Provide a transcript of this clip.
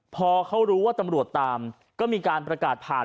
พอเขารู้ว่าตำรวจตามก็มีการประกาศผ่าน